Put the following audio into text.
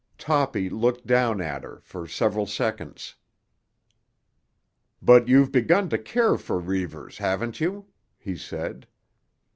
Toppy looked down at her for several seconds. "But you've begun to care for Reivers, haven't you?" he said.